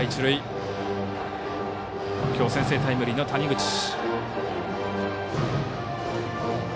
きょう先制タイムリーの谷口。